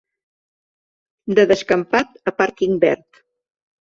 De descampat a pàrquing verd.